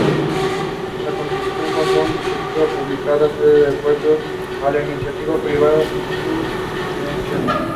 La construcción bajo iniciativa pública cede el puesto a la iniciativa privada subvencionada.